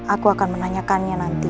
aku akan menanyakannya nanti